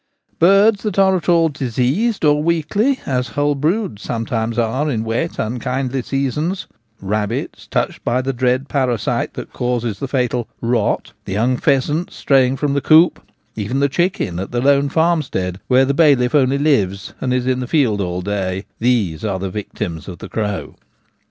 Birds that are at all diseased or weakly, as whole broods sometimes are in wet unkindly seasons, rabbits touched by the dread parasite that causes the fatal ' rot/ the young pheasant straying from the coop, even the chicken at the lone farmstead, where the bailiff only lives and is in the fields all day — these are the victims of the crow.